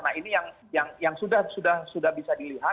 nah ini yang sudah bisa dilihat